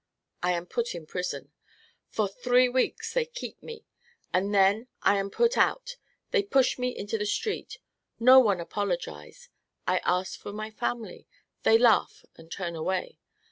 I am put in prison. For three weeks they keep me, and then I am put out. They push me into the street. No one apologize. I ask for my family. They laugh and turn away.